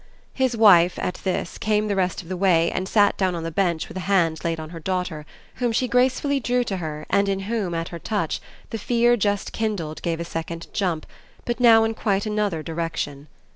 His wife, at this, came the rest of the way and sat down on the bench with a hand laid on her daughter, whom she gracefully drew to her and in whom, at her touch, the fear just kindled gave a second jump, but now in quite another direction.